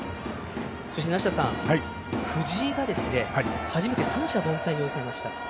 梨田さん、藤井が初めて三者凡退に抑えました。